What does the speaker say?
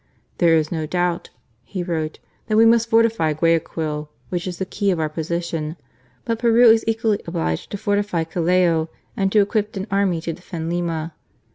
" There is no doubt," he wrote, "that we must fortify Guayaquil, which is the key of our position ; but Peru is equally obliged to fortify Callao and to equip an army to defend Lima.